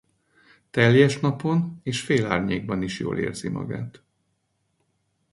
Teljes napon és félárnyékban is jól érzi magát.